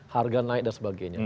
harga naik dan sebagainya